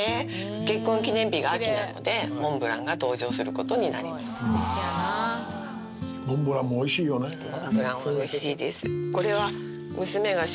結婚記念日が秋なのでモンブランが登場することになりますモンブランもおいしいです